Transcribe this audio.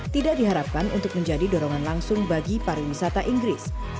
tidak diharapkan untuk menjadi dorongan langsung bagi pariwisata inggris